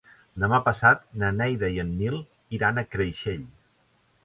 Demà passat na Neida i en Nil iran a Creixell.